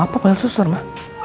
mau apa panggil suster ma